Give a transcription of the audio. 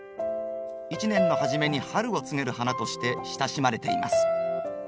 一年の初めに春を告げる花として親しまれています。